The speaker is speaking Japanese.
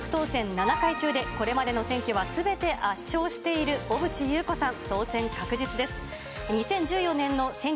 ７回中で、これまでの選挙はすべて圧勝している小渕優子さん、当選確実です。